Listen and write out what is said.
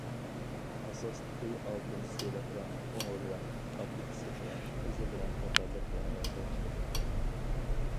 ئاساسلىقى ئالتۇن سېرىق رەڭ، قوڭۇر رەڭ، ئاپېلسىن رەڭ، قىزىل رەڭ قاتارلىق رەڭلەردە چىقىدۇ.